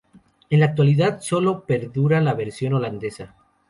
En la actualidad solo perdura la versión holandesa.